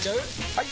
・はい！